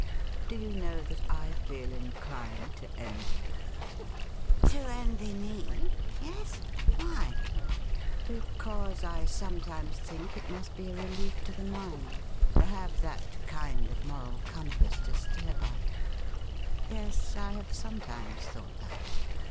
Do you know that I feel inclined to envy you T ' To envy me ? Yes ? Why ?'' Because I sometimes think it must be a relief to the mind to have that kind of moral compass to steer by. Yes, I have sometimes thought that.